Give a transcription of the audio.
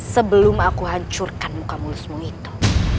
sebelum aku hancurkan muka mulusmu itu